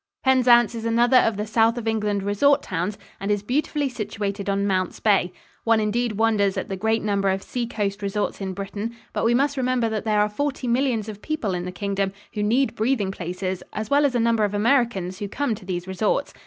Penzance is another of the South of England resort towns and is beautifully situated on Mounts Bay. One indeed wonders at the great number of seacoast resorts in Britain, but we must remember that there are forty millions of people in the Kingdom who need breathing places as well as a number of Americans who come to these resorts.